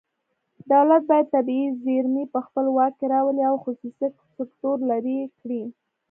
دولت باید طبیعي زیرمې په خپل واک کې راولي او خصوصي سکتور لرې کړي